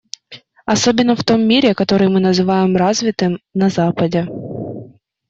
Особенно в том мире, который мы называем «развитым» - на Западе.